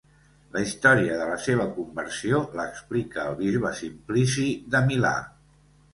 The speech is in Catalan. La història de la seva conversió l'explica el bisbe Simplici de Milà.